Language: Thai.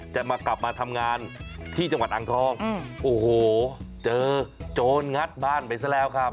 จะมากลับมาทำงานที่จังหวัดอ่างทองโอ้โหเจอโจรงัดบ้านไปซะแล้วครับ